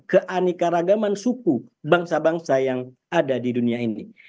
keanekaragaman suku bangsa bangsa yang ada di dunia ini